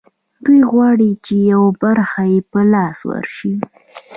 دوی غواړي چې یوه برخه یې په لاس ورشي